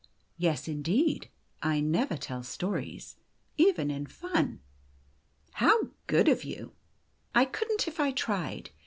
"Yes, indeed. I never tell stories, even in fun." " How good of you !"" I could n't if I tried.